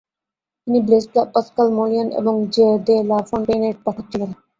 তিনি Blaise Pascal, Moliere এবং Jean de la ফন্টেইনের পাঠক ছিলেন।